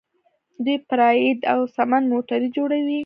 دوی پراید او سمند موټرې جوړوي.